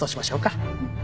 うん。